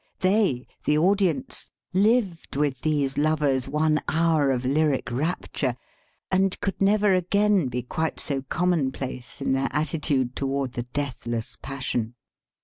They, the audience, lived with these lovers one hour of lyric rapture, and could never again be quite so commonplace in their atti tude toward the 'deathless passion.'